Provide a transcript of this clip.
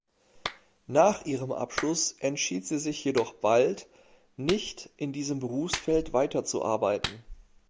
Nach ihrem Abschluss entschied sie sich jedoch bald, nicht in diesem Berufsfeld weiterzuarbeiten.